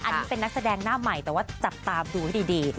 อันนี้เป็นนักแสดงหน้าใหม่แต่ว่าจับตาดูให้ดี